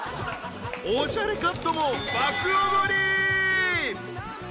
［おしゃれカットも爆おごり］